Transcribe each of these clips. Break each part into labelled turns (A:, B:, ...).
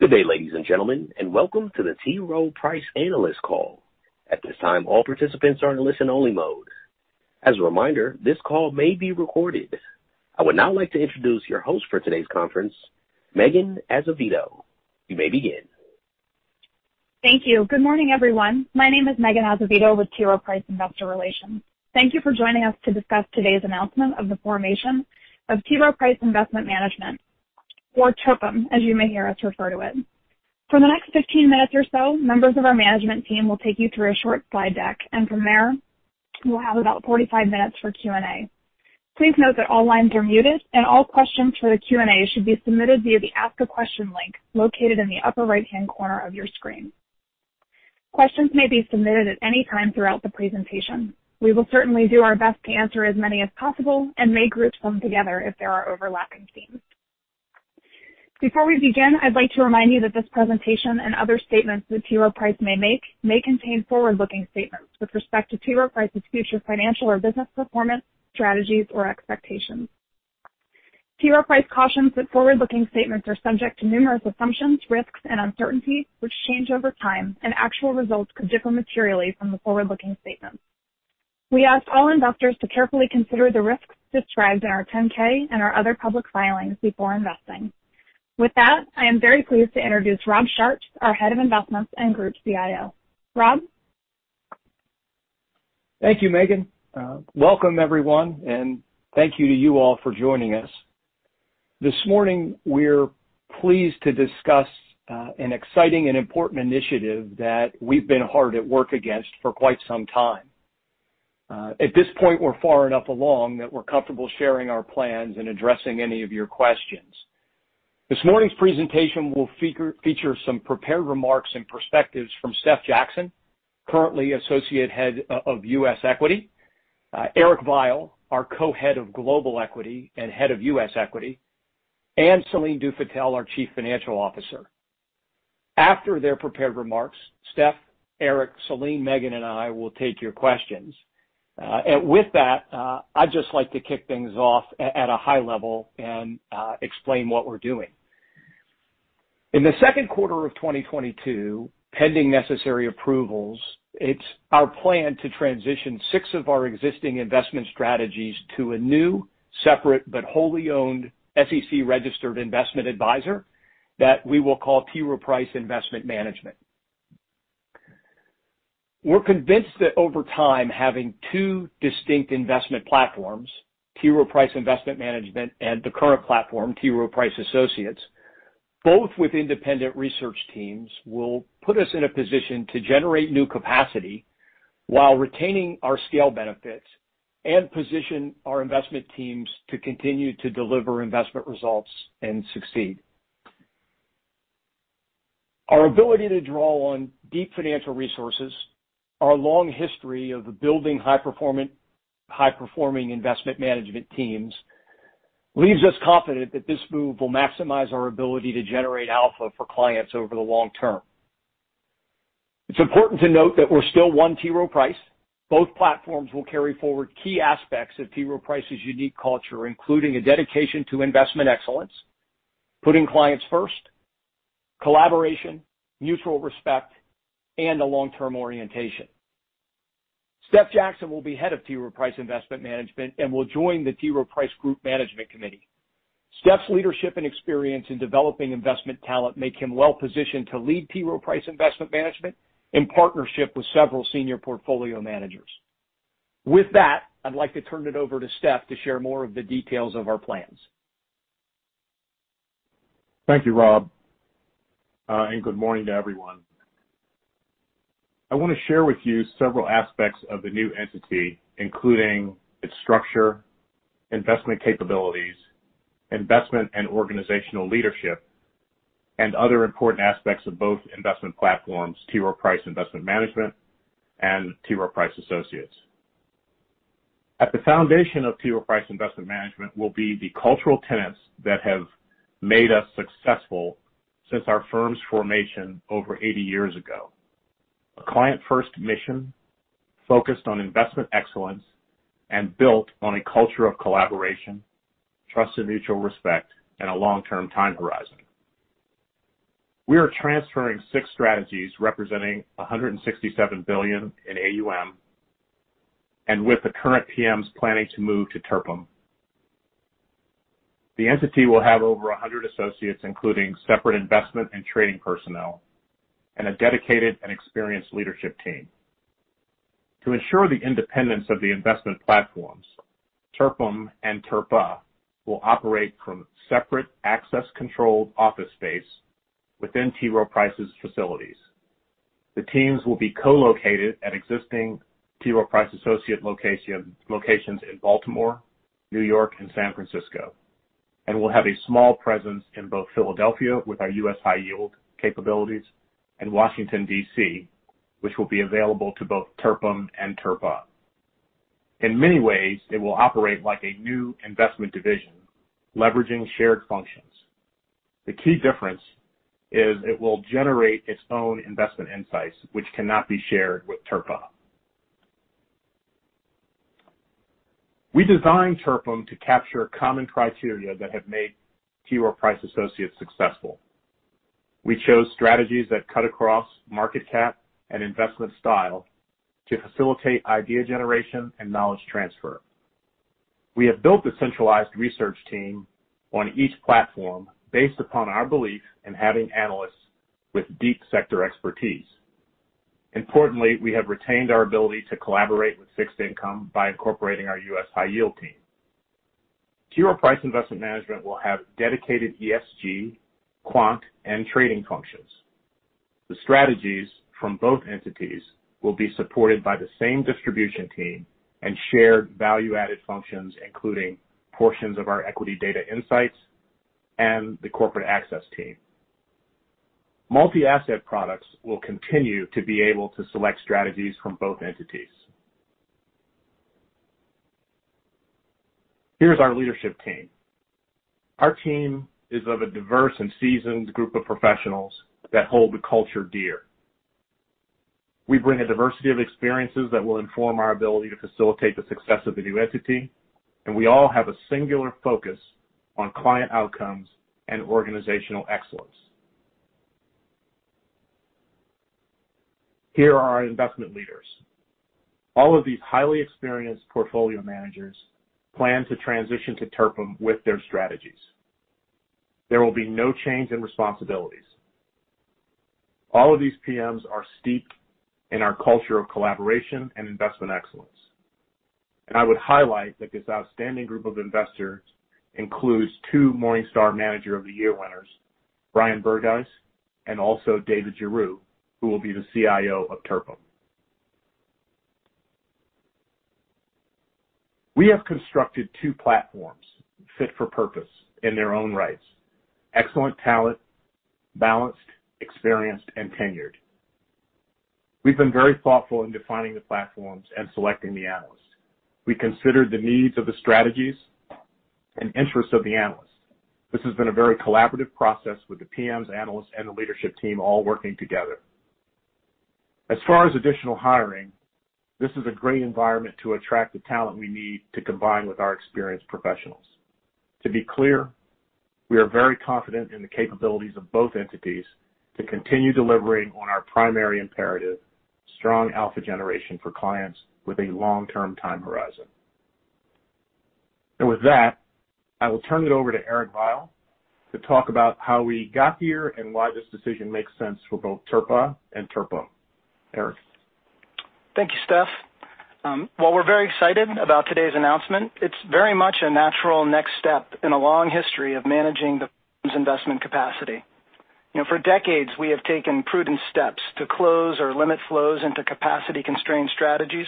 A: Good day, ladies and gentlemen, and welcome to the T. Rowe Price analyst call. At this time, all participants are in listen-only mode. As a reminder, this call may be recorded. I would now like to introduce your host for today's conference, Meghan Azevedo. You may begin.
B: Thank you. Good morning, everyone. My name is Meghan Azevedo with T. Rowe Price Investor Relations. Thank you for joining us to discuss today's announcement of the formation of T. Rowe Price Investment Management, or TPIM, as you may hear us refer to it. From there, we'll have about 45 minutes for Q&A. For the next 15 minutes or so, members of our management team will take you through a short slide deck. Please note that all lines are muted. All questions for the Q&A should be submitted via the Ask a Question link located in the upper right-hand corner of your screen. Questions may be submitted at any time throughout the presentation. We will certainly do our best to answer as many as possible and may group some together if there are overlapping themes. Before we begin, I'd like to remind you that this presentation and other statements that T. Rowe Price may make may contain forward-looking statements with respect to T. Rowe Price's future financial or business performance, strategies, or expectations. T. Rowe Price cautions that forward-looking statements are subject to numerous assumptions, risks, and uncertainties which change over time, and actual results could differ materially from the forward-looking statements. We ask all investors to carefully consider the risks described in our 10-K and our other public filings before investing. With that, I am very pleased to introduce Rob Sharps, our Head of Investments and Group CIO. Rob?
C: Thank you, Meghan. Welcome, everyone, and thank you to you all for joining us. This morning, we're pleased to discuss an exciting and important initiative that we've been hard at work against for quite some time. At this point, we're far enough along that we're comfortable sharing our plans and addressing any of your questions. This morning's presentation will feature some prepared remarks and perspectives from Steph Jackson, currently Associate Head of U.S. Equity, Eric Veiel, our Co-Head of Global Equity and Head of U.S. Equity, and Céline Dufétel, our Chief Financial Officer. After their prepared remarks, Steph, Eric, Céline, Meghan, and I will take your questions. With that, I'd just like to kick things off at a high level and explain what we're doing. In the second quarter of 2022, pending necessary approvals, it's our plan to transition six of our existing investment strategies to a new, separate, but wholly owned SEC-registered investment advisor that we will call T. Rowe Price Investment Management. We're convinced that over time, having two distinct investment platforms, T. Rowe Price Investment Management and the current platform, T. Rowe Price Associates, both with independent research teams, will put us in a position to generate new capacity while retaining our scale benefits and position our investment teams to continue to deliver investment results and succeed. Our ability to draw on deep financial resources, our long history of building high-performing investment management teams, leaves us confident that this move will maximize our ability to generate alpha for clients over the long term. It's important to note that we're still one T. Rowe Price. Both platforms will carry forward key aspects of T. Rowe Price's unique culture, including a dedication to investment excellence, putting clients first, collaboration, mutual respect, and a long-term orientation. Steph Jackson will be Head of T. Rowe Price Investment Management and will join the T. Rowe Price Group Management Committee. Steph's leadership and experience in developing investment talent make him well positioned to lead T. Rowe Price Investment Management in partnership with several senior portfolio managers. With that, I'd like to turn it over to Steph to share more of the details of our plans.
D: Thank you, Rob, and good morning to everyone. I want to share with you several aspects of the new entity, including its structure, investment capabilities, investment and organizational leadership, and other important aspects of both investment platforms, T. Rowe Price Investment Management and T. Rowe Price Associates. At the foundation of T. Rowe Price Investment Management will be the cultural tenets that have made us successful since our firm's formation over 80 years ago. A client-first mission focused on investment excellence and built on a culture of collaboration, trust and mutual respect, and a long-term time horizon. We are transferring six strategies representing $167 billion in AUM, and with the current PMs planning to move to TPIM. The entity will have over 100 associates, including separate investment and trading personnel and a dedicated and experienced leadership team. To ensure the independence of the investment platforms, TPIM and TRPA will operate from separate access-controlled office space within T. Rowe Price's facilities. The teams will be co-located at existing T. Rowe Price Associates locations in Baltimore, New York, and San Francisco. We'll have a small presence in both Philadelphia with our U.S. high yield capabilities and Washington, D.C., which will be available to both TPIM and TRPA. In many ways, it will operate like a new investment division, leveraging shared functions. The key difference is it will generate its own investment insights, which cannot be shared with TRPA. We designed TPIM to capture common criteria that have made T. Rowe Price associates successful. We chose strategies that cut across market cap and investment style to facilitate idea generation and knowledge transfer. We have built a centralized research team on each platform based upon our belief in having analysts with deep sector expertise. Importantly, we have retained our ability to collaborate with fixed income by incorporating our US high yield team. T. Rowe Price Investment Management will have dedicated ESG, quant, and trading functions. The strategies from both entities will be supported by the same distribution team and shared value-added functions, including portions of our equity data insights and the corporate access team. Multi-asset products will continue to be able to select strategies from both entities. Here's our leadership team. Our team is of a diverse and seasoned group of professionals that hold the culture dear. We bring a diversity of experiences that will inform our ability to facilitate the success of the new entity, and we all have a singular focus on client outcomes and organizational excellence. Here are our investment leaders. All of these highly experienced portfolio managers plan to transition to TRPIM with their strategies. There will be no change in responsibilities. All of these PMs are steeped in our culture of collaboration and investment excellence. I would highlight that this outstanding group of investors includes two Morningstar Manager of the Year winners, Brian Berghuis and also David Giroux, who will be the CIO of TRPIM. We have constructed two platforms fit for purpose in their own rights. Excellent talent, balanced, experienced, and tenured. We've been very thoughtful in defining the platforms and selecting the analysts. We considered the needs of the strategies and interests of the analysts. This has been a very collaborative process with the PMs, analysts, and the leadership team all working together. As far as additional hiring, this is a great environment to attract the talent we need to combine with our experienced professionals. To be clear, we are very confident in the capabilities of both entities to continue delivering on our primary imperative, strong alpha generation for clients with a long-term time horizon. With that, I will turn it over to Eric Veiel to talk about how we got here and why this decision makes sense for both TRPA and TRPIM. Eric?
E: Thank you, Steph. While we're very excited about today's announcement, it's very much a natural next step in a long history of managing the firm's investment capacity. For decades, we have taken prudent steps to close or limit flows into capacity-constrained strategies,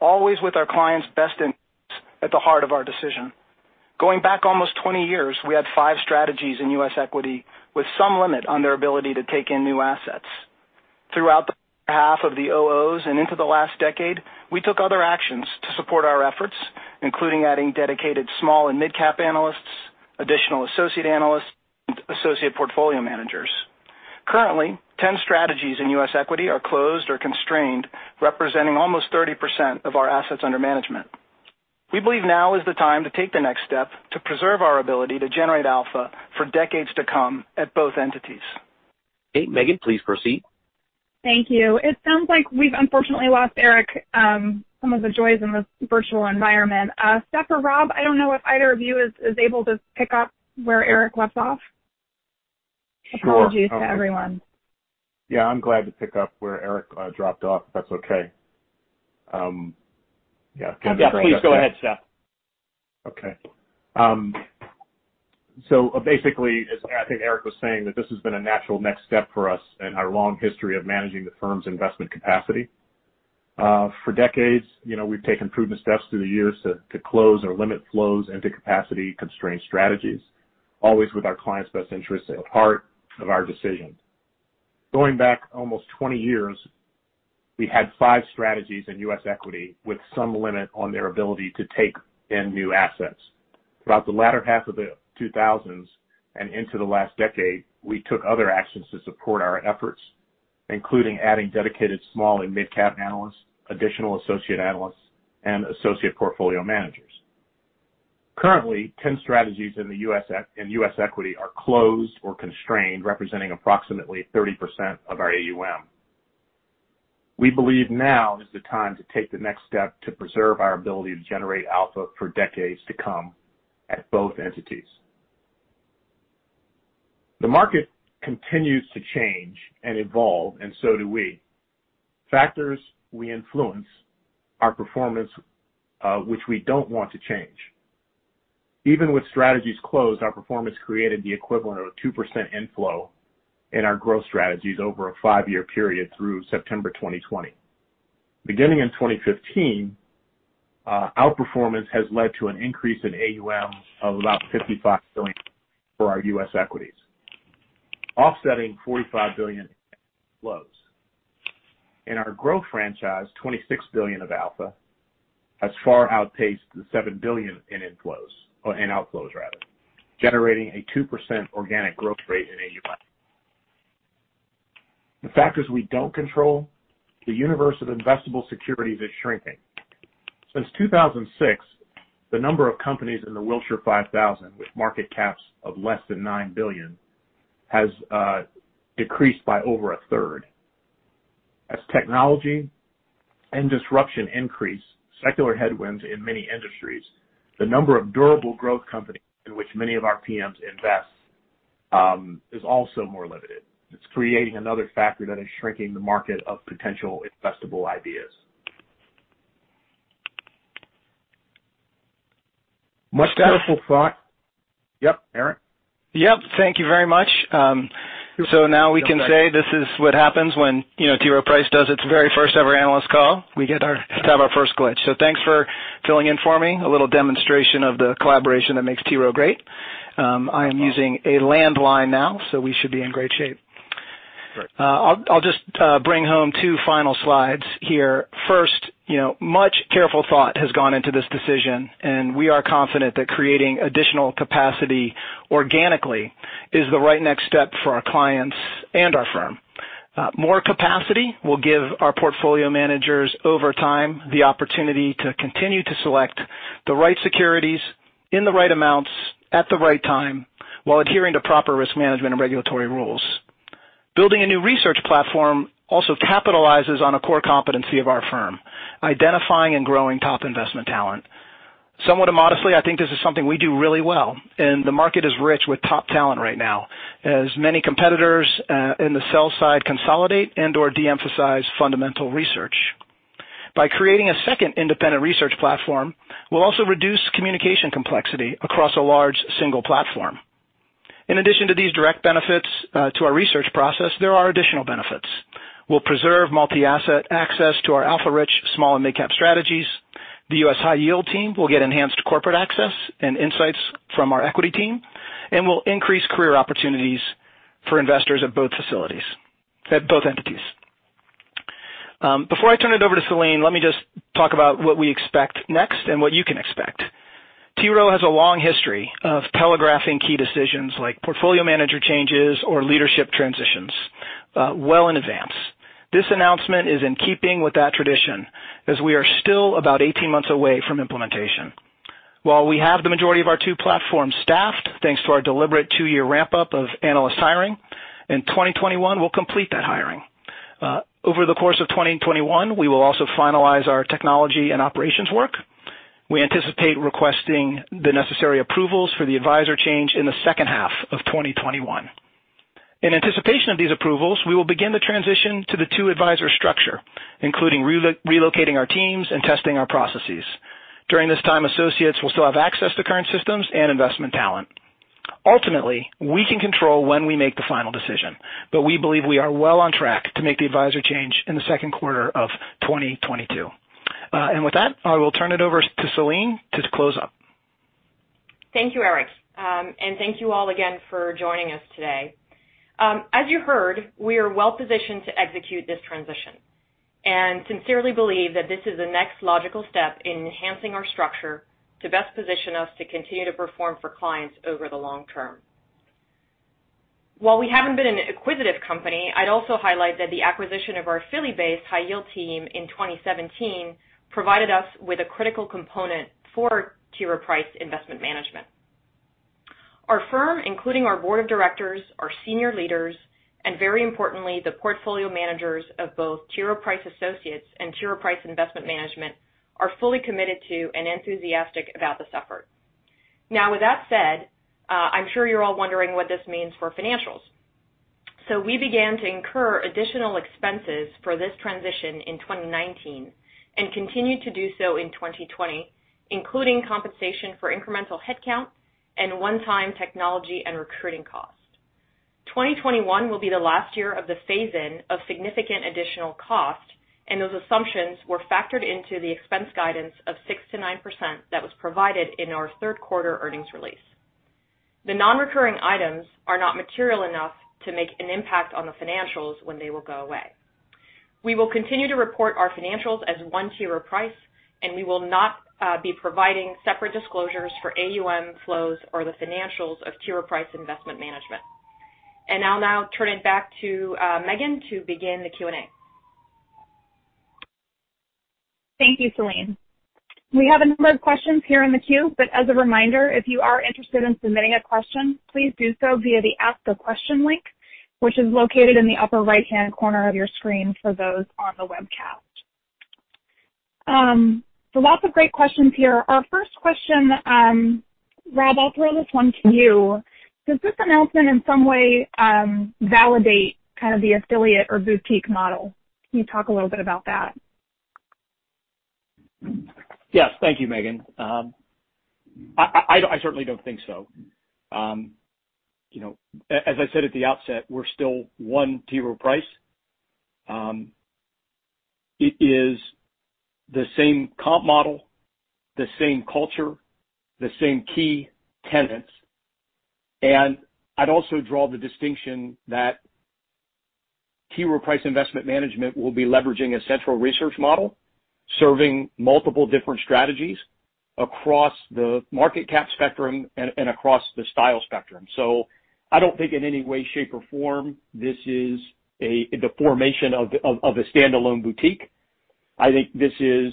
E: always with our clients' best interests at the heart of our decision. Going back almost 20 years, we had five strategies in U.S. equity with some limit on their ability to take in new assets. Throughout the latter half of the 2000s and into the last decade, we took other actions to support our efforts, including adding dedicated small and midcap analysts, additional associate analysts, and associate portfolio managers. Currently, 10 strategies in U.S. equity are closed or constrained, representing almost 30% of our assets under management. We believe now is the time to take the next step to preserve our ability to generate alpha for decades to come at both entities.
C: Okay, Meghan, please proceed.
B: Thank you. It sounds like we've unfortunately lost Eric. Some of the joys in this virtual environment. Steph or Rob, I don't know if either of you is able to pick up where Eric left off.
D: Sure.
B: Apologies to everyone.
D: Yeah, I'm glad to pick up where Eric dropped off, if that's okay. Yeah.
C: Yeah, please go ahead, Steph.
D: Basically, as I think Eric was saying, that this has been a natural next step for us in our long history of managing the firm's investment capacity. For decades, we've taken prudent steps through the years to close or limit flows into capacity-constrained strategies, always with our clients' best interests at heart of our decision. Going back almost 20 years, we had five strategies in U.S. equity with some limit on their ability to take in new assets. Throughout the latter half of the 2000s and into the last decade, we took other actions to support our efforts, including adding dedicated small and midcap analysts, additional associate analysts, and associate portfolio managers. Currently, 10 strategies in U.S. equity are closed or constrained, representing approximately 30% of our AUM. We believe now is the time to take the next step to preserve our ability to generate alpha for decades to come at both entities. The market continues to change and evolve, and so do we. Factors we influence our performance, which we don't want to change. Even with strategies closed, our performance created the equivalent of a 2% inflow in our growth strategies over a five-year period through September 2020. Beginning in 2015, outperformance has led to an increase in AUM of about $55 billion for our U.S. equities, offsetting $45 billion in outflows. In our growth franchise, $26 billion of alpha has far outpaced the $7 billion in inflows, or in outflows rather, generating a 2% organic growth rate in AUM.
C: The factors we don't control, the universe of investable securities is shrinking. Since 2006, the number of companies in the Wilshire 5000 with market caps of less than $9 billion has decreased by over a third. As technology and disruption increase secular headwinds in many industries, the number of durable growth companies in which many of our PMs invest is also more limited. It's creating another factor that is shrinking the market of potential investable ideas.
E: Much careful thought-
C: Yep, Eric.
E: Yep. Thank you very much. Now we can say this is what happens when T. Rowe Price does its very first-ever analyst call. We get to have our first glitch. Thanks for filling in for me. A little demonstration of the collaboration that makes T. Rowe great. I am using a landline now, so we should be in great shape.
C: Great.
E: I'll just bring home two final slides here. First, much careful thought has gone into this decision, and we are confident that creating additional capacity organically is the right next step for our clients and our firm. More capacity will give our portfolio managers, over time, the opportunity to continue to select the right securities in the right amounts at the right time, while adhering to proper risk management and regulatory rules. Building a new research platform also capitalizes on a core competency of our firm, identifying and growing top investment talent. Somewhat immodestly, I think this is something we do really well, and the market is rich with top talent right now, as many competitors in the sell side consolidate and/or de-emphasize fundamental research. By creating a second independent research platform, we'll also reduce communication complexity across a large single platform. In addition to these direct benefits to our research process, there are additional benefits. We'll preserve multi-asset access to our alpha-rich small and mid-cap strategies. The U.S. High Yield team will get enhanced corporate access and insights from our equity team, and we'll increase career opportunities for investors at both entities. Before I turn it over to Céline, let me just talk about what we expect next and what you can expect. T. Rowe has a long history of telegraphing key decisions like portfolio manager changes or leadership transitions well in advance. This announcement is in keeping with that tradition, as we are still about 18 months away from implementation. While we have the majority of our two platforms staffed, thanks to our deliberate two-year ramp-up of analyst hiring, in 2021, we'll complete that hiring. Over the course of 2021, we will also finalize our technology and operations work. We anticipate requesting the necessary approvals for the adviser change in the second half of 2021. In anticipation of these approvals, we will begin the transition to the two adviser structure, including relocating our teams and testing our processes. During this time, associates will still have access to current systems and investment talent. Ultimately, we can control when we make the final decision, but we believe we are well on track to make the adviser change in the second quarter of 2022. With that, I will turn it over to Céline to close up.
F: Thank you, Eric. Thank you all again for joining us today. As you heard, we are well-positioned to execute this transition and sincerely believe that this is the next logical step in enhancing our structure to best position us to continue to perform for clients over the long term. While we haven't been an acquisitive company, I'd also highlight that the acquisition of our Philly-based High Yield team in 2017 provided us with a critical component for T. Rowe Price Investment Management. Our firm, including our board of directors, our senior leaders, and very importantly, the portfolio managers of both T. Rowe Price Associates and T. Rowe Price Investment Management, are fully committed to and enthusiastic about this effort. With that said, I'm sure you're all wondering what this means for financials. We began to incur additional expenses for this transition in 2019 and continued to do so in 2020, including compensation for incremental headcount and one-time technology and recruiting costs. 2021 will be the last year of the phase-in of significant additional cost, those assumptions were factored into the expense guidance of 6%-9% that was provided in our third quarter earnings release. The non-recurring items are not material enough to make an impact on the financials when they will go away. We will continue to report our financials as one T. Rowe Price, we will not be providing separate disclosures for AUM flows or the financials of T. Rowe Price Investment Management. I'll now turn it back to Meghan to begin the Q&A.
B: Thank you, Céline. We have a number of questions here in the queue, but as a reminder, if you are interested in submitting a question, please do so via the Ask a Question link, which is located in the upper right-hand corner of your screen for those on the webcast. Lots of great questions here. Our first question, Rob, I'll throw this one to you. Does this announcement in some way validate the affiliate or boutique model? Can you talk a little bit about that?
C: Yes. Thank you, Meghan. I certainly don't think so. As I said at the outset, we're still one T. Rowe Price. It is the same comp model, the same culture, the same key tenets. I'd also draw the distinction that T. Rowe Price Investment Management will be leveraging a central research model serving multiple different strategies across the market cap spectrum and across the style spectrum. I don't think in any way, shape, or form this is the formation of a standalone boutique. I think this is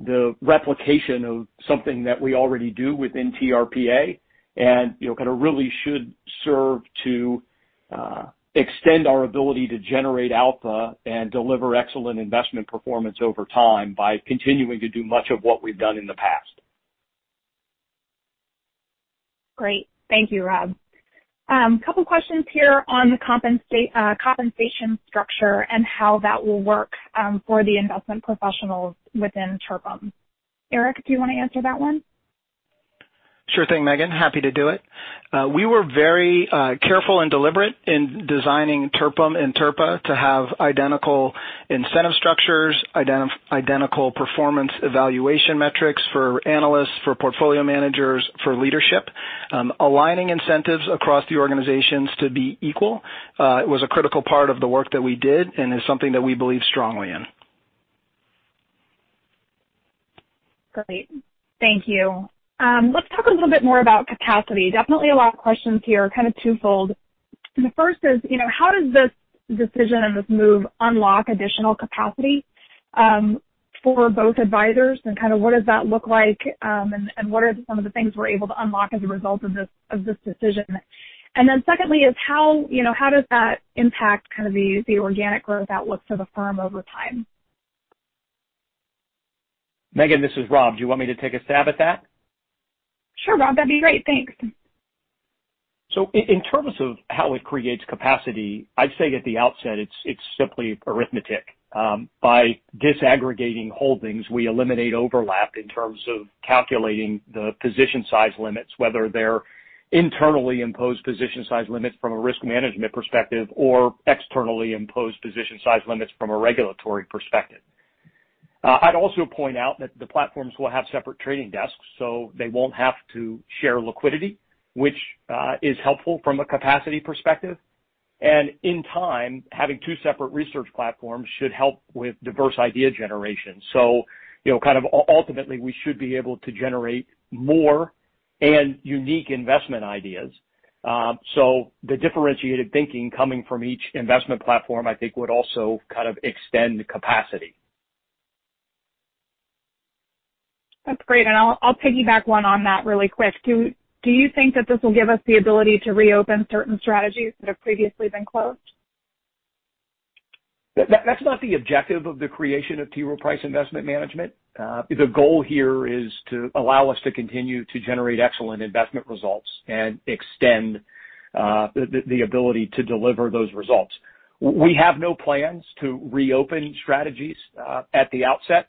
C: the replication of something that we already do within TRPA, and kind of really should serve to extend our ability to generate alpha and deliver excellent investment performance over time by continuing to do much of what we've done in the past.
B: Great. Thank you, Rob. Couple questions here on the compensation structure and how that will work for the investment professionals within TRPIM. Eric, do you want to answer that one?
E: Sure thing, Meghan. Happy to do it. We were very careful and deliberate in designing TRPIM and TRPA to have identical incentive structures, identical performance evaluation metrics for analysts, for portfolio managers, for leadership. Aligning incentives across the organizations to be equal, it was a critical part of the work that we did and is something that we believe strongly in.
B: Great. Thank you. Let's talk a little bit more about capacity. Definitely a lot of questions here, kind of twofold. The first is, how does this decision and this move unlock additional capacity for both advisors and kind of what does that look like and what are some of the things we're able to unlock as a result of this decision? Secondly, how does that impact kind of the organic growth outlook for the firm over time?
C: Meghan, this is Rob. Do you want me to take a stab at that?
B: Sure, Rob, that'd be great. Thanks.
C: In terms of how it creates capacity, I'd say at the outset, it's simply arithmetic. By disaggregating holdings, we eliminate overlap in terms of calculating the position size limits, whether they're internally imposed position size limits from a risk management perspective or externally imposed position size limits from a regulatory perspective. I'd also point out that the platforms will have separate trading desks, they won't have to share liquidity, which is helpful from a capacity perspective. In time, having two separate research platforms should help with diverse idea generation. Kind of ultimately we should be able to generate more and unique investment ideas. The differentiated thinking coming from each investment platform, I think, would also kind of extend capacity.
B: That's great, and I'll piggyback one on that really quick. Do you think that this will give us the ability to reopen certain strategies that have previously been closed?
C: That's not the objective of the creation of T. Rowe Price Investment Management. The goal here is to allow us to continue to generate excellent investment results and extend the ability to deliver those results. We have no plans to reopen strategies at the outset.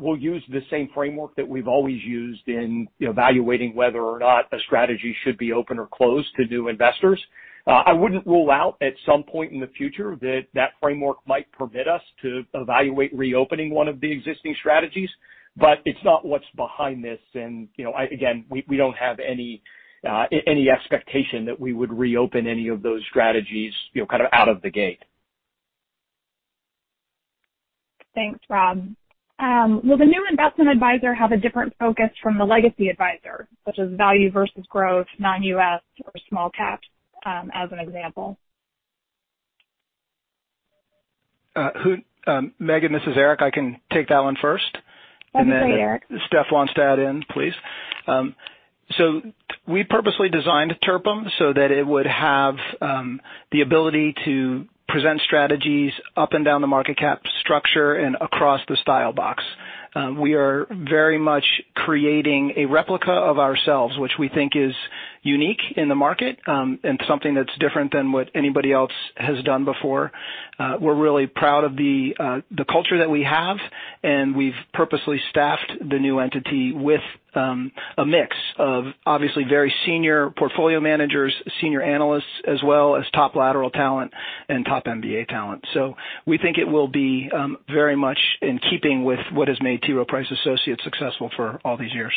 C: We'll use the same framework that we've always used in evaluating whether or not a strategy should be open or closed to new investors. I wouldn't rule out at some point in the future that that framework might permit us to evaluate reopening one of the existing strategies. It's not what's behind this, and again, we don't have any expectation that we would reopen any of those strategies out of the gate.
B: Thanks, Rob. Will the new investment advisor have a different focus from the legacy advisor, such as value versus growth, non-U.S. or small cap, as an example?
E: Meghan, this is Eric. I can take that one first.
B: That'd be great, Eric.
E: If Steph wants to add in, please. We purposely designed TRPIM so that it would have the ability to present strategies up and down the market cap structure and across the style box. We are very much creating a replica of ourselves, which we think is unique in the market, and something that's different than what anybody else has done before. We're really proud of the culture that we have, and we've purposely staffed the new entity with a mix of obviously very senior portfolio managers, senior analysts, as well as top lateral talent and top MBA talent. We think it will be very much in keeping with what has made T. Rowe Price Associates successful for all these years.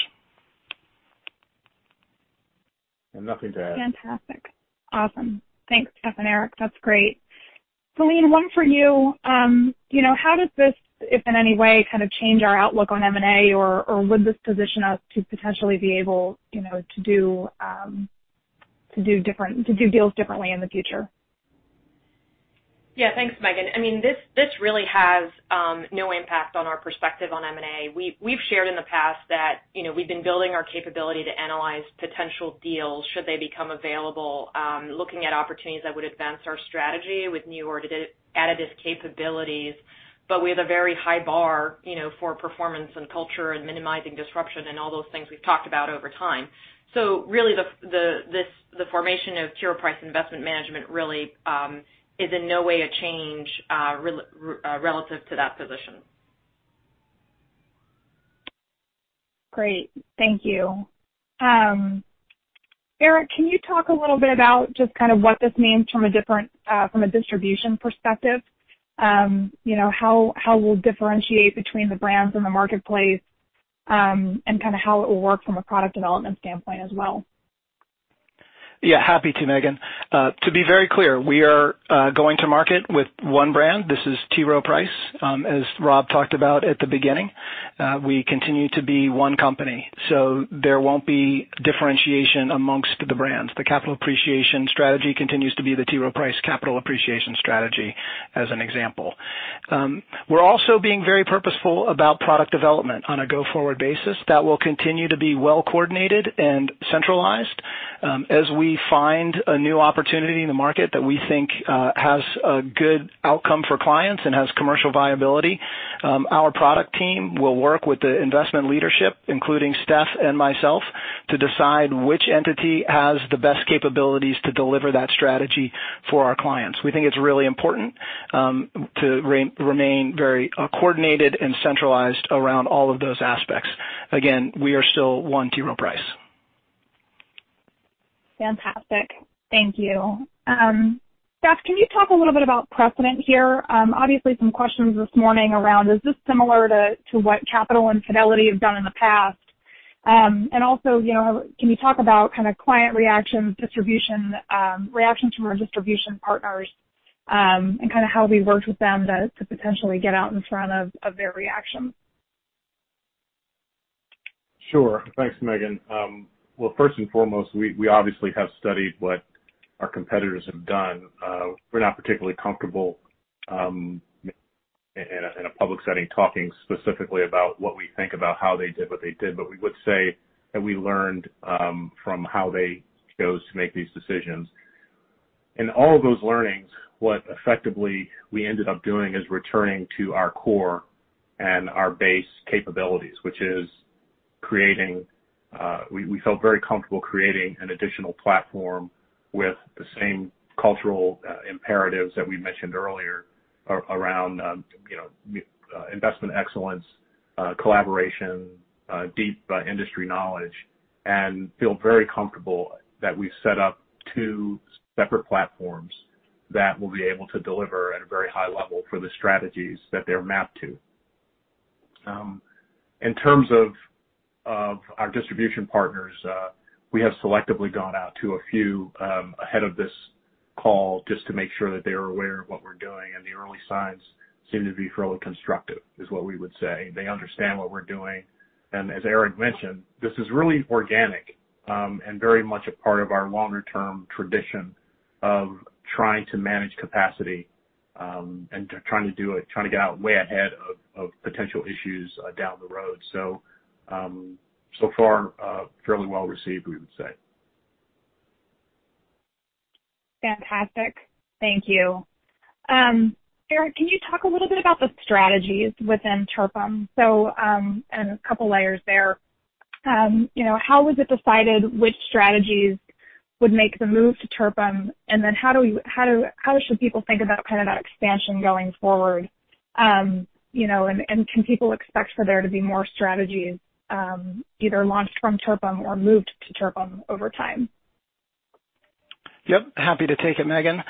C: Nothing to add.
B: Fantastic. Awesome. Thanks, Steph and Eric. That's great. Céline, one for you. How does this, if in any way, kind of change our outlook on M&A, or would this position us to potentially be able to do deals differently in the future?
F: Yeah. Thanks, Meghan. This really has no impact on our perspective on M&A. We've shared in the past that we've been building our capability to analyze potential deals should they become available, looking at opportunities that would advance our strategy with new or additive capabilities. We have a very high bar for performance and culture and minimizing disruption and all those things we've talked about over time. Really the formation of T. Rowe Price Investment Management really is in no way a change relative to that position.
B: Great. Thank you. Eric, can you talk a little bit about just kind of what this means from a distribution perspective? How we'll differentiate between the brands in the marketplace, and kind of how it will work from a product development standpoint as well?
E: Yeah, happy to, Meghan. To be very clear, we are going to market with one brand. This is T. Rowe Price. As Rob talked about at the beginning, we continue to be one company. There won't be differentiation amongst the brands. The Capital Appreciation strategy continues to be the T. Rowe Price Capital Appreciation strategy, as an example. We're also being very purposeful about product development on a go-forward basis. That will continue to be well coordinated and centralized. As we find a new opportunity in the market that we think has a good outcome for clients and has commercial viability, our product team will work with the investment leadership, including Steph and myself, to decide which entity has the best capabilities to deliver that strategy for our clients. We think it's really important to remain very coordinated and centralized around all of those aspects. Again, we are still one T. Rowe Price.
B: Fantastic. Thank you. Steph, can you talk a little bit about precedent here? Obviously, some questions this morning around, is this similar to what Capital and Fidelity have done in the past? Also, can you talk about client reaction, reactions from our distribution partners, and how we've worked with them to potentially get out in front of their reaction?
D: Sure. Thanks, Meghan. First and foremost, we obviously have studied what our competitors have done. We're not particularly comfortable in a public setting, talking specifically about what we think about how they did what they did. We would say that we learned from how they chose to make these decisions. In all of those learnings, what effectively we ended up doing is returning to our core and our base capabilities. We felt very comfortable creating an additional platform with the same cultural imperatives that we mentioned earlier around investment excellence, collaboration, deep industry knowledge, and feel very comfortable that we've set up two separate platforms that will be able to deliver at a very high level for the strategies that they're mapped to. In terms of our distribution partners, we have selectively gone out to a few ahead of this call just to make sure that they are aware of what we're doing, and the early signs seem to be fairly constructive, is what we would say. They understand what we're doing. As Eric mentioned, this is really organic, and very much a part of our longer-term tradition of trying to manage capacity, and trying to get out way ahead of potential issues down the road. So far, fairly well received, we would say.
B: Fantastic. Thank you. Eric, can you talk a little bit about the strategies within TRPIM. A couple of layers there. How was it decided which strategies would make the move to TRPIM, how should people think about that expansion going forward? Can people expect for there to be more strategies either launched from TRPIM or moved to TRPIM over time?
E: Yep, happy to take it, Meghan.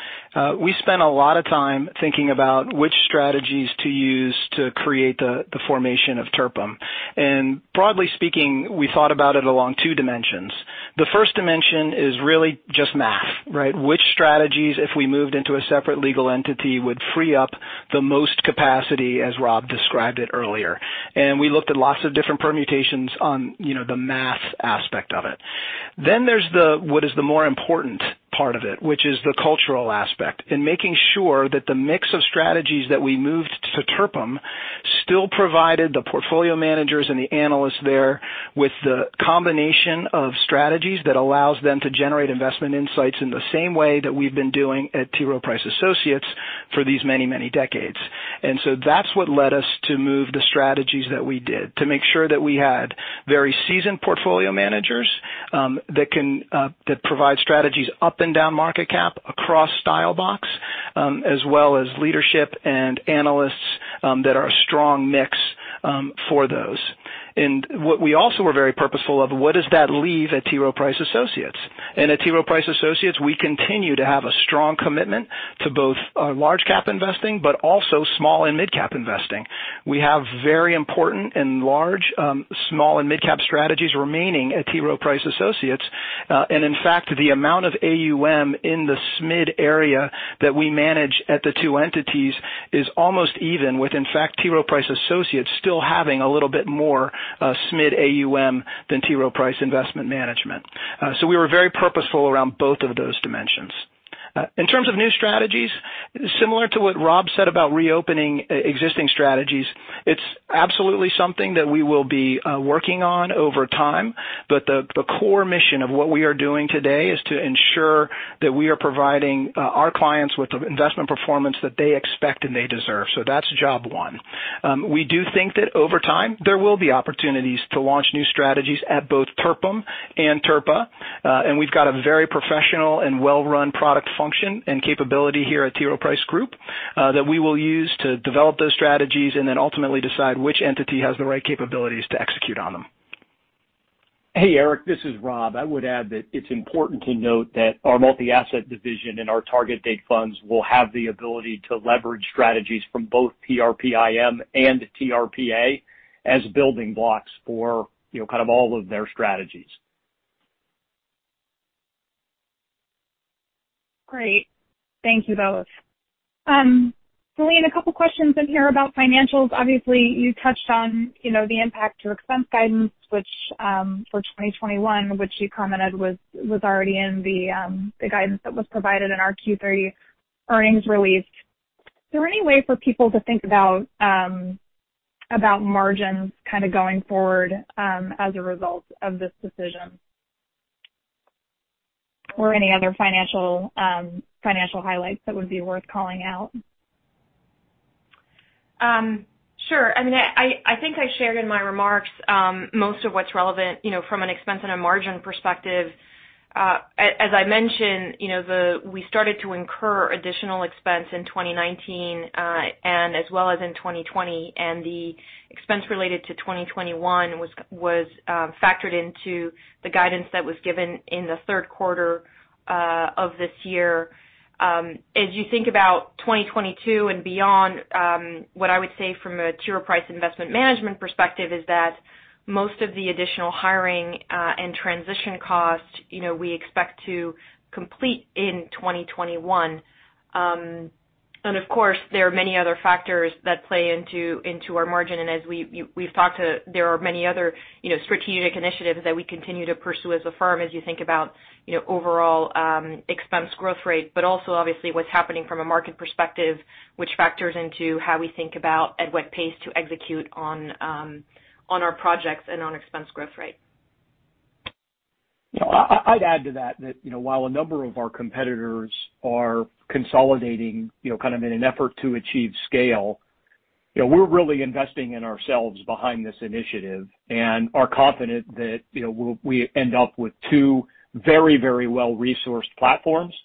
E: We spent a lot of time thinking about which strategies to use to create the formation of TRPIM. Broadly speaking, we thought about it along two dimensions. The first dimension is really just math. Which strategies, if we moved into a separate legal entity, would free up the most capacity, as Rob described it earlier. We looked at lots of different permutations on the math aspect of it. There's the what is the more important part of it, which is the cultural aspect, and making sure that the mix of strategies that we moved to TRPIM still provided the portfolio managers and the analysts there with the combination of strategies that allows them to generate investment insights in the same way that we've been doing at T. Rowe Price Associates for these many, many decades. That's what led us to move the strategies that we did, to make sure that we had very seasoned portfolio managers that provide strategies up and down market cap across style box, as well as leadership and analysts that are a strong mix for those. What we also were very purposeful of, what does that leave at T. Rowe Price Associates? At T. Rowe Price Associates, we continue to have a strong commitment to both large cap investing, but also small and midcap investing. We have very important and large small and midcap strategies remaining at T. Rowe Price Associates. In fact, the amount of AUM in the SMID area that we manage at the two entities is almost even with, in fact, T. Rowe Price Associates still having a little bit more SMID AUM than T. Rowe Price Investment Management. We were very purposeful around both of those dimensions. In terms of new strategies, similar to what Rob said about reopening existing strategies, it's absolutely something that we will be working on over time. The core mission of what we are doing today is to ensure that we are providing our clients with the investment performance that they expect and they deserve. That's job one. We do think that over time, there will be opportunities to launch new strategies at both TRPIM and TRPA. We've got a very professional and well-run product function and capability here at T. Rowe Price Group that we will use to develop those strategies and then ultimately decide which entity has the right capabilities to execute on them.
C: Hey, Eric, this is Rob. I would add that it's important to note that our multi-asset division and our target date funds will have the ability to leverage strategies from both TRPIM and TRPA as building blocks for all of their strategies.
B: Great. Thank you both. Céline, a couple questions in here about financials. Obviously, you touched on the impact to expense guidance, which for 2021, which you commented was already in the guidance that was provided in our Q3 earnings release. Is there any way for people to think about margins going forward as a result of this decision? Or any other financial highlights that would be worth calling out?
F: Sure. I think I shared in my remarks most of what's relevant from an expense and a margin perspective. As I mentioned, we started to incur additional expense in 2019 as well as in 2020. The expense related to 2021 was factored into the guidance that was given in the third quarter of this year. As you think about 2022 and beyond, what I would say from a T. Rowe Price Investment Management perspective is that most of the additional hiring and transition costs we expect to complete in 2021. Of course, there are many other factors that play into our margin. As we've talked to, there are many other strategic initiatives that we continue to pursue as a firm as you think about overall expense growth rate, but also obviously what's happening from a market perspective, which factors into how we think about at what pace to execute on our projects and on expense growth rate.
C: I'd add to that while a number of our competitors are consolidating in an effort to achieve scale, we're really investing in ourselves behind this initiative and are confident that we end up with two very well-resourced platforms.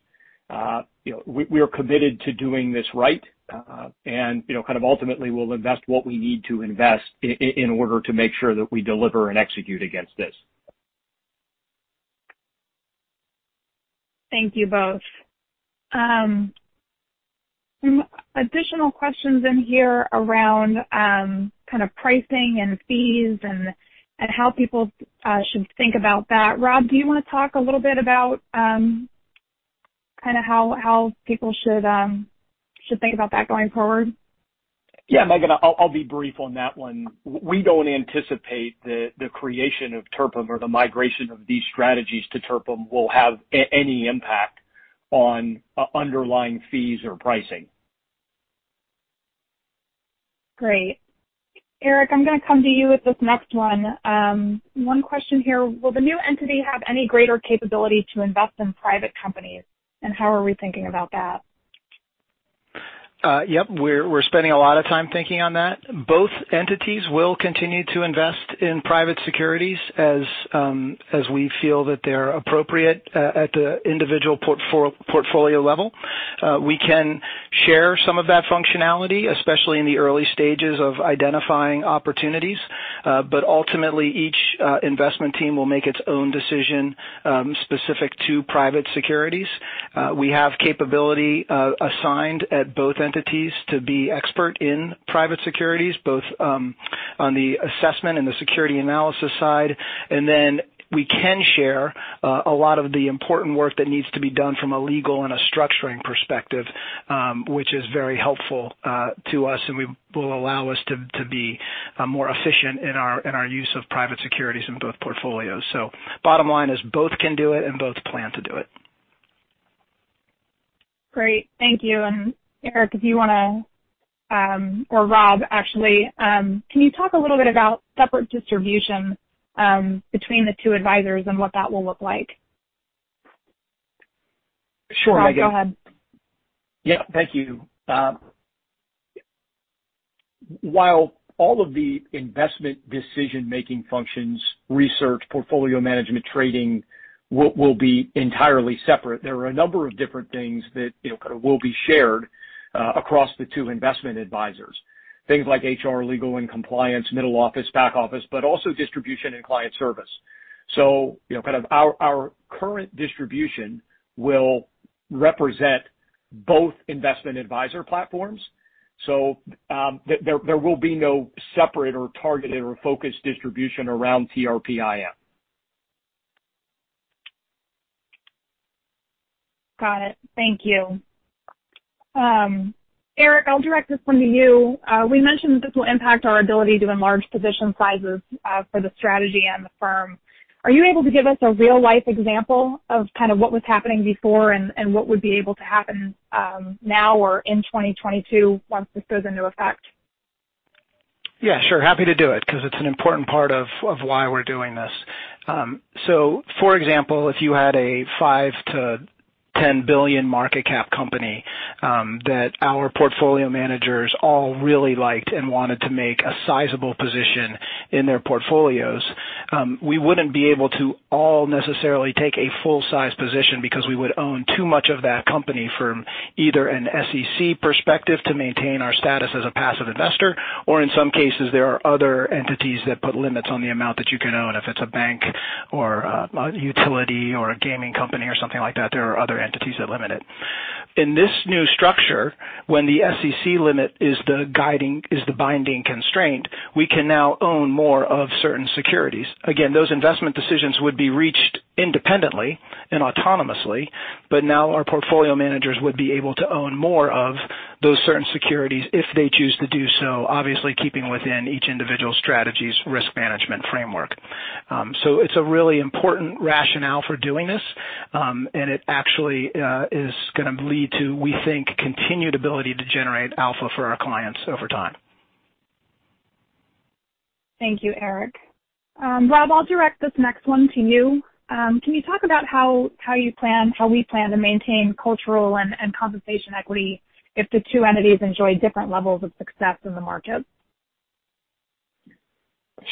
C: We are committed to doing this right. Ultimately we'll invest what we need to invest in order to make sure that we deliver and execute against this.
B: Thank you both. Some additional questions in here around pricing and fees and how people should think about that. Rob, do you want to talk a little bit about how people should think about that going forward?
C: Yeah, Meghan, I'll be brief on that one. We don't anticipate that the creation of TRPIM or the migration of these strategies to TRPIM will have any impact on underlying fees or pricing.
B: Great. Eric, I'm going to come to you with this next one. One question here, will the new entity have any greater capability to invest in private companies, and how are we thinking about that?
E: Yep, we're spending a lot of time thinking on that. Both entities will continue to invest in private securities as we feel that they're appropriate at the individual portfolio level. We can share some of that functionality, especially in the early stages of identifying opportunities. Ultimately, each investment team will make its own decision specific to private securities. We have capability assigned at both entities to be expert in private securities, both on the assessment and the security analysis side. We can share a lot of the important work that needs to be done from a legal and a structuring perspective, which is very helpful to us, and will allow us to be more efficient in our use of private securities in both portfolios. Bottom line is both can do it and both plan to do it.
B: Great. Thank you. Eric, if you want to, or Rob, actually, can you talk a little bit about separate distribution between the two advisors and what that will look like?
C: Sure, Meghan.
B: Rob, go ahead.
C: Yeah, thank you. While all of the investment decision-making functions, research, portfolio management, trading will be entirely separate, there are a number of different things that will be shared across the two investment advisors. Things like HR, legal and compliance, middle office, back office, but also distribution and client service. Our current distribution will represent both investment advisor platforms. There will be no separate or targeted or focused distribution around TRPIM.
B: Got it. Thank you. Eric, I'll direct this one to you. We mentioned that this will impact our ability to enlarge position sizes for the strategy and the firm. Are you able to give us a real-life example of what was happening before and what would be able to happen now or in 2022 once this goes into effect?
E: Sure. Happy to do it because it's an important part of why we're doing this. For example, if you had a $5 billion-$10 billion market cap company that our portfolio managers all really liked and wanted to make a sizable position in their portfolios, we wouldn't be able to all necessarily take a full-size position because we would own too much of that company from either an SEC perspective to maintain our status as a passive investor, or in some cases, there are other entities that put limits on the amount that you can own if it's a bank or a utility or a gaming company or something like that. There are other entities that limit it. In this new structure, when the SEC limit is the binding constraint, we can now own more of certain securities. Again, those investment decisions would be reached independently and autonomously, but now our portfolio managers would be able to own more of those certain securities if they choose to do so, obviously keeping within each individual strategy's risk management framework. It's a really important rationale for doing this. It actually is going to lead to, we think, continued ability to generate alpha for our clients over time.
B: Thank you, Eric. Rob, I'll direct this next one to you. Can you talk about how we plan to maintain cultural and compensation equity if the two entities enjoy different levels of success in the market?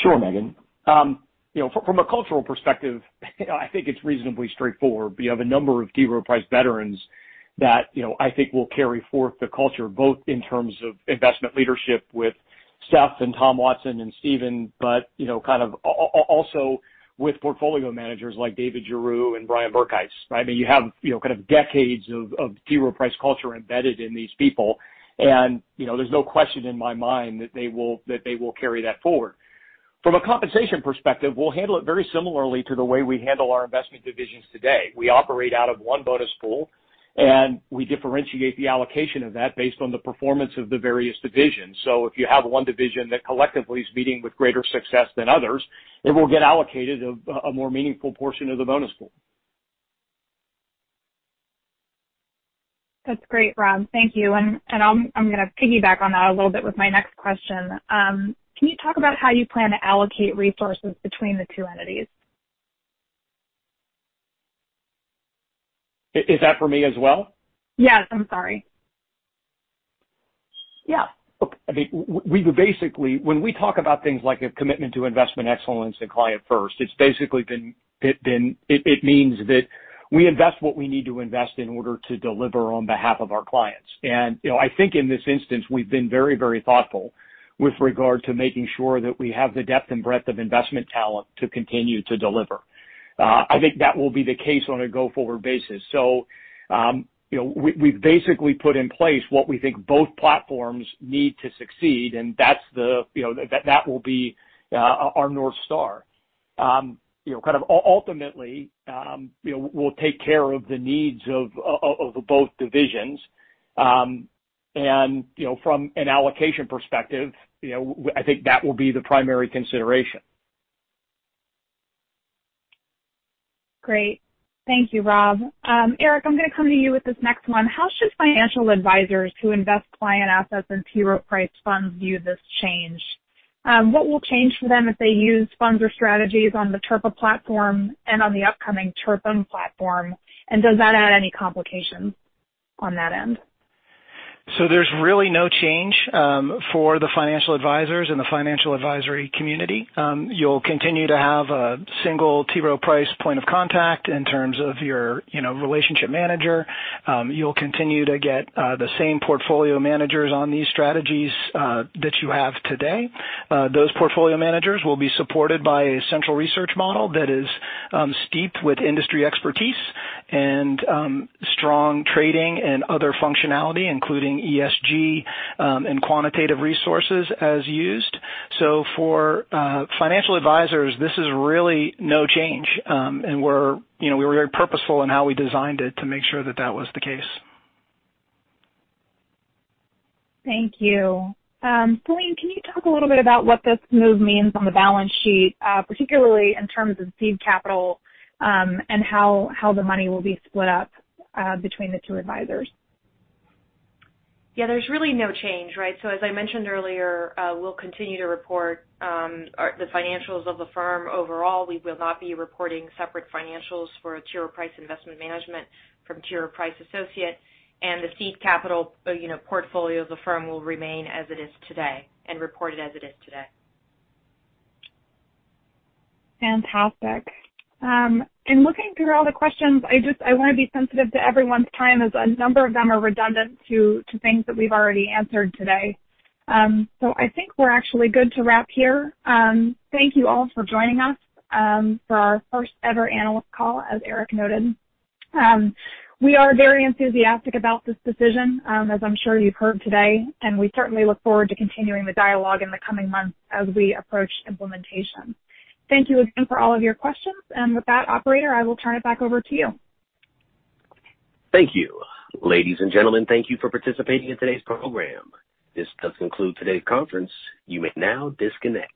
C: Sure, Meghan. From a cultural perspective, I think it's reasonably straightforward. We have a number of T. Rowe Price veterans that I think will carry forth the culture, both in terms of investment leadership with Steph and Tom Watson and Steven, but kind of also with portfolio managers like David Giroux and Brian Berghuis. You have kind of decades of T. Rowe Price culture embedded in these people, and there's no question in my mind that they will carry that forward. From a compensation perspective, we'll handle it very similarly to the way we handle our investment divisions today. We operate out of one bonus pool, we differentiate the allocation of that based on the performance of the various divisions. If you have one division that collectively is meeting with greater success than others, it will get allocated a more meaningful portion of the bonus pool.
B: That's great, Rob. Thank you. I'm going to piggyback on that a little bit with my next question. Can you talk about how you plan to allocate resources between the two entities?
C: Is that for me as well?
B: Yes. I'm sorry. Yeah.
C: Okay. When we talk about things like a commitment to investment excellence and client first, it means that we invest what we need to invest in order to deliver on behalf of our clients. I think in this instance, we've been very thoughtful with regard to making sure that we have the depth and breadth of investment talent to continue to deliver. I think that will be the case on a go-forward basis. We've basically put in place what we think both platforms need to succeed, and that will be our North Star. Kind of ultimately, we'll take care of the needs of both divisions. From an allocation perspective, I think that will be the primary consideration.
B: Great. Thank you, Rob. Eric, I'm going to come to you with this next one. How should financial advisors who invest client assets in T. Rowe Price funds view this change? What will change for them if they use funds or strategies on the TRPA platform and on the upcoming TRPIM platform, and does that add any complication on that end?
E: There's really no change for the financial advisors and the financial advisory community. You'll continue to have a single T. Rowe Price point of contact in terms of your relationship manager. You'll continue to get the same portfolio managers on these strategies that you have today. Those portfolio managers will be supported by a central research model that is steeped with industry expertise and strong trading and other functionality, including ESG, and quantitative resources as used. For financial advisors, this is really no change. We were very purposeful in how we designed it to make sure that that was the case.
B: Thank you. Céline, can you talk a little bit about what this move means on the balance sheet, particularly in terms of seed capital, and how the money will be split up between the two advisors?
F: Yeah, there's really no change, right? As I mentioned earlier, we'll continue to report the financials of the firm overall. We will not be reporting separate financials for T. Rowe Price Investment Management from T. Rowe Price Associates. The seed capital portfolio of the firm will remain as it is today, and reported as it is today.
B: Fantastic. In looking through all the questions, I want to be sensitive to everyone's time, as a number of them are redundant to things that we've already answered today. I think we're actually good to wrap here. Thank you all for joining us for our first ever analyst call, as Eric noted. We are very enthusiastic about this decision, as I'm sure you've heard today, and we certainly look forward to continuing the dialogue in the coming months as we approach implementation. Thank you again for all of your questions. With that, operator, I will turn it back over to you.
A: Thank you. Ladies and gentlemen, thank you for participating in today's program. This does conclude today's conference. You may now disconnect.